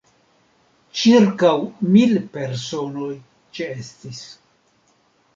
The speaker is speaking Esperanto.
Ĉirkaŭ mil personoj ĉeestis.